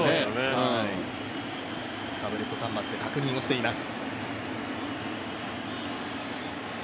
タブレット端末で確認をしています。